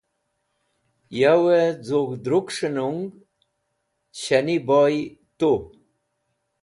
Yawẽ z̃ug̃h drukẽs̃h nung Shaniboy tu.